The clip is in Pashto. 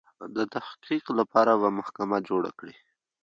د تحقیق لپاره به محکمه جوړه کړي.